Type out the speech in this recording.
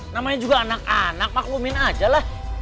namanya juga anak anak maklumin aja lah